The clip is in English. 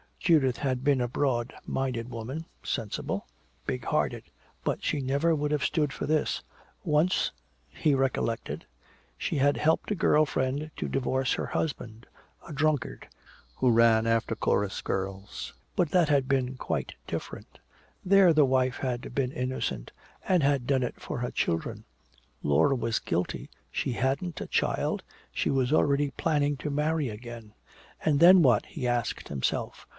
Judith had been a broad minded woman, sensible, big hearted. But she never would have stood for this. Once, he recollected, she had helped a girl friend to divorce her husband, a drunkard who ran after chorus girls. But that had been quite different. There the wife had been innocent and had done it for her children. Laura was guilty, she hadn't a child, she was already planning to marry again. And then what, he asked himself.